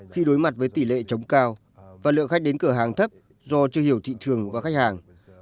khi đối mặt với tỷ lệ chống cao và lượng khách đến cửa hàng thấp do chưa hiểu thị trường và khách hàng